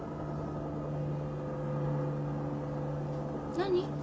何？